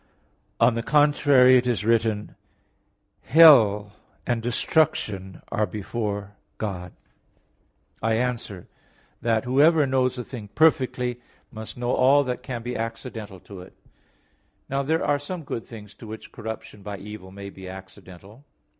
On the contrary, It is written (Prov. 15:11), "Hell and destruction are before God [Vulg: 'the Lord']." I answer that, Whoever knows a thing perfectly, must know all that can be accidental to it. Now there are some good things to which corruption by evil may be accidental.